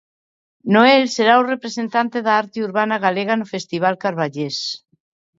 Noel será o representante da arte urbana galega no festival carballés.